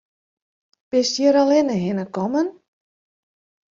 Bist hjir allinne hinne kommen?